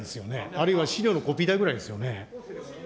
あるいは資料のコピー代ぐらいですよね。